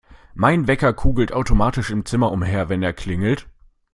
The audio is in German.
Mein Wecker kugelt automatisch im Zimmer umher, wenn er klingelt.